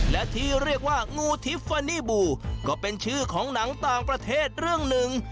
และที่เรียกว่างูทิฟฟานีบูก็เป็นชื่อของหนังต่างประเทศเรื่องหนึ่ง